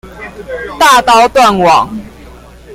大刀斷網！